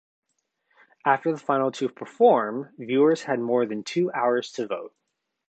After the final two perform, viewers had more than two hours to vote.